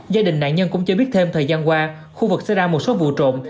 gia đình nạn nhân cũng chưa biết thêm thời gian qua khu vực sẽ ra một số vụ trộm